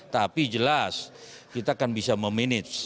tapi jelas kita akan bisa memanage